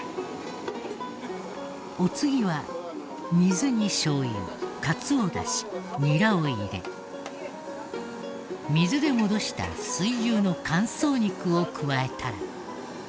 お次は水にしょう油かつおダシニラを入れ水で戻した水牛の乾燥肉を加えたら。